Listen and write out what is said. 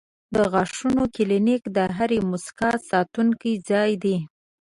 د غاښونو کلینک د هرې موسکا ساتونکی ځای دی.